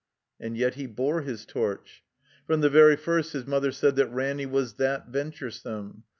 And yet he bore his torch. From the very first his mother said that Ranny was that venturesome.